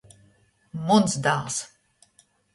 Muns dāls!